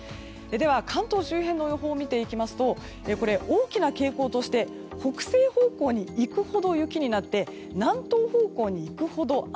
では、関東周辺の予報を見ていきますと大きな傾向として北西方向に行くほど雪になっていて南東方向に行くほど雨。